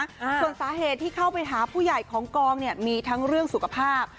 ส่วนสาเหตุที่เข้าไปหาผู้ใหญ่ของกองเนี่ยมีทั้งเรื่องสุขภาพ